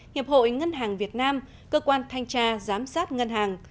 hiệp hội ngân hàng việt nam cơ quan thanh tra giám sát ngân hàng